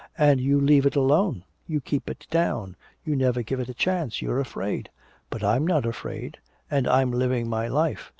And you leave it alone you keep it down you never give it a chance you're afraid! But I'm not afraid and I'm living my life!